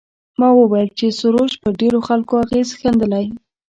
ما وویل چې سروش پر ډېرو خلکو اغېز ښندلی.